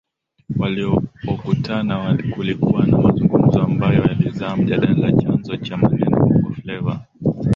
Walipokutana kulikuwa na mazungumzo ambayo yalizaa mjadala chanzo cha neno Bongofleva